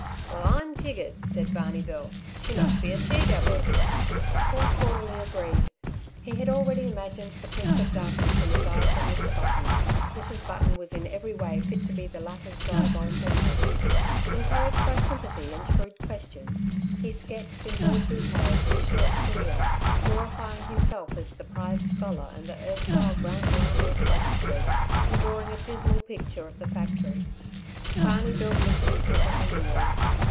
"Well, I'm jiggered!" said Barney Bill. "She must be a she devil!" Paul cordially agreed. He had already imagined the Prince of Darkness in the guise of Mr. Button; Mrs. Button was in every way fit to be the latter's diabolical mate. Encouraged by sympathy and shrewd questions, he sketched in broad detail his short career, glorifying himself as the prize scholar and the erstwhile Grand Llama of Budge Street, and drawing a dismal picture of the factory. Barney Bill listened comprehendingly.